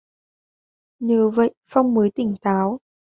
Nhờ vậy phong mới tỉnh táo